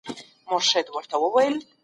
نيمروز د سيستان يادګار دی.